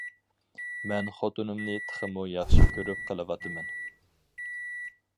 مەن خوتۇنۇمنى تېخىمۇ ياخشى كۆرۈپ قېلىۋاتىمەن.